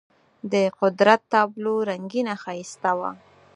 د قدرت تابلو رنګینه ښایسته وه.